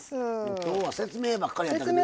今日は説明ばっかりやったけど。